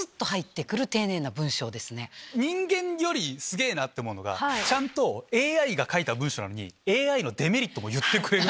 人間よりすげぇなって思うのがＡＩが書いた文章なのにＡＩのデメリットも言ってくれる。